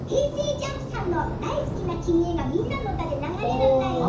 ＪＵＭＰさんの「だいすきなきみへ」が「みんなのうた」で流れるんだよね。